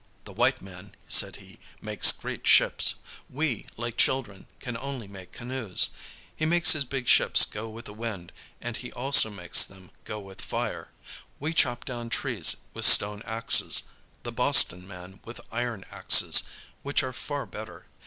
"The white man," said he, "makes great ships. We, like children, can only make canoes. He makes his big ships go with the wind, and he also makes them go with fire. We chop down trees with stone axes; the Boston man with iron axes, which are far better.